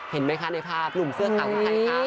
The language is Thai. เห็นไหมคะในภาพหนุ่มเสื้อขาวคือใครคะ